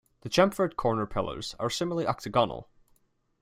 The chamfered corner pillars are similarly octagonal.